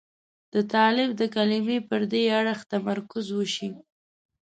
د طالب د کلمې پر دې اړخ تمرکز وشي.